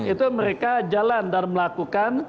itu mereka jalan dan melakukan